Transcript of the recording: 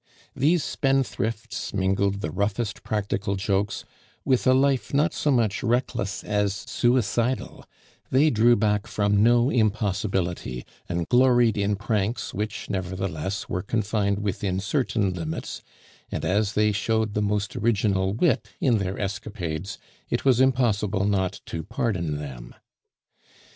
These spendthrifts mingled the roughest practical jokes with a life not so much reckless as suicidal; they drew back from no impossibility, and gloried in pranks which, nevertheless, were confined within certain limits; and as they showed the most original wit in their escapades, it was impossible not to pardon them.